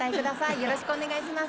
よろしくお願いします。